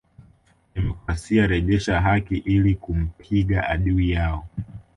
Demokrasia rejesha haki ili kumpiga adui yao